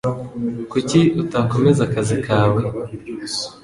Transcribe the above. Kuki utakomeza akazi kawe?